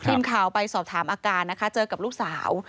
ทีมข่าวไปสอบถามอาการนะคะเจอกับลูกสาว